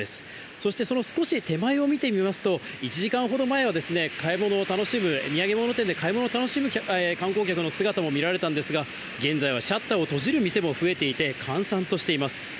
そしてその少し手前を見てみますと、１時間ほど前は買い物を楽しむ、土産物店で買い物を楽しむ観光客の姿も見られたんですが、現在はシャッターを閉じる店も増えていて、閑散としています。